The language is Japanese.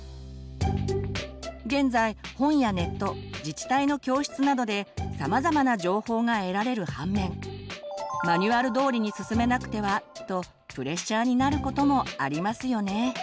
現在本やネット自治体の教室などでさまざまな情報が得られる反面マニュアル通りに進めなくてはとプレッシャーになることもありますよね。